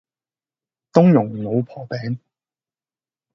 冬蓉老婆餅